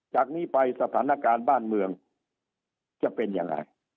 จากนี้ไปสถานการณ์บ้านเมืองจะเป็นยังไง